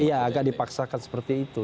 iya agak dipaksakan seperti itu